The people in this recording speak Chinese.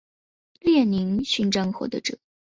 列宁勋章获得者。